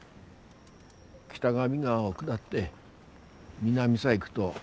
北上川を下って南さ行ぐど